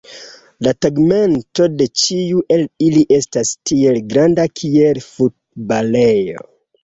La tegmento de ĉiu el ili estas tiel granda kiel futbalejo.